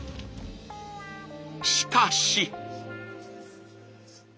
しかし。